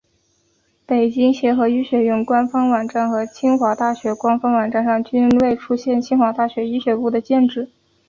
北京协和医学院官方网站和清华大学官方网站上均未出现清华大学医学部的建制。